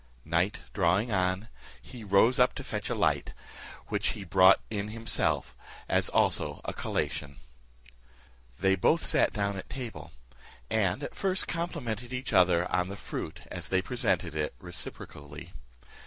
Night drawing on, he rose up to fetch a light, which he brought in himself, as also a collation. They both sat down at table, and at first complimented each other on the fruit as they presented it reciprocally.